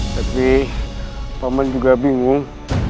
tapi pak man juga bingung